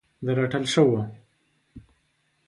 د رټل شوو